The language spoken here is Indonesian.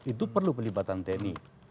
itu perlu pelibatan tni